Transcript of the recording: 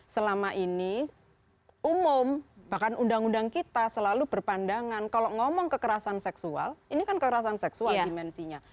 selama ini umum bahkan undang undang kita selalu berpandangan kalau ngomong kekerasan seksual ini kan kekerasan seksual dimensinya